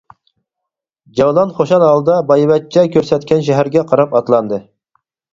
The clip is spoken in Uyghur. جەۋلان خۇشال ھالدا بايۋەچچە كۆرسەتكەن شەھەرگە قاراپ ئاتلاندى.